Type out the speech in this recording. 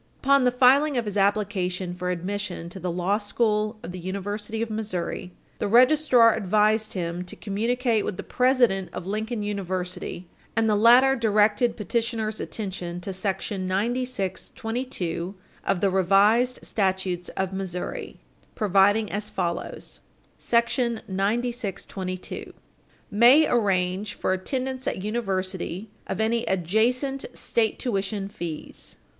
Upon the filing of his application for admission to the law school of the University of Missouri, the registrar advised him to communicate with the president of Lincoln University, and the latter directed petitioner's attention to § 9622 of the Revised Statutes of Missouri (1929), providing as follows: "Sec. 9622. May arrange for attendance at university of any adjacent state Tuition fees.